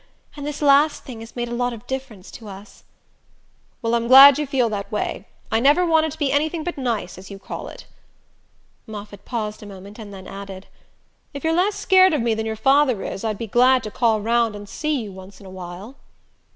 And this last thing has made a lot of difference to us." "Well, I'm glad you feel that way. I never wanted to be anything but 'nice,' as you call it." Moffatt paused a moment and then added: "If you're less scared of me than your father is I'd be glad to call round and see you once in a while."